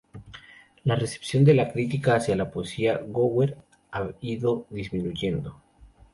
La recepción de la crítica hacia la poesía de Gower ha ido disminuyendo.